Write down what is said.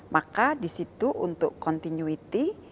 maka disitu untuk continuity